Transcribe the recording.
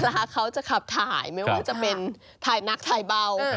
เช้าเย็นแล้วคับถ่ายล่ะครับ